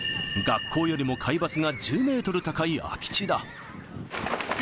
学校よりも海抜が１０メートル高い空き地だ。